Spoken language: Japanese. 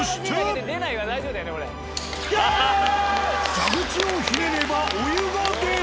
蛇口をひねればお湯が出る。